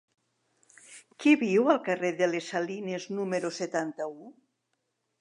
Qui viu al carrer de les Salines número setanta-u?